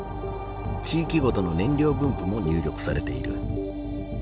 地域ごとの燃料分布も入力されている。